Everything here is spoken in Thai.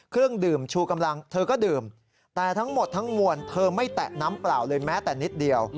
เครื่องดื่มชูกำลังเธอก็ดื่มแต่ทั้งหมดทั้งมวลเธอไม่แตะน้ำเปล่าเลยแม้แต่นิดเดียว